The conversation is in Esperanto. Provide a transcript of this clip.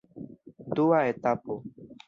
Dua etapo.